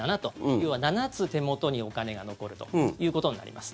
要は７つ、手元にお金が残るということになります。